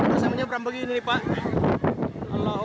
mulasem menyambar begini pak hello